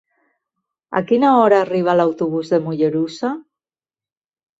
A quina hora arriba l'autobús de Mollerussa?